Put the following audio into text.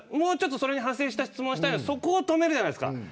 それに派生した質問をしたいなそこを止めるじゃないですか。